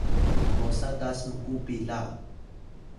mosa ta smku pila